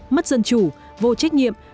mất dân chủ vô trách nhiệm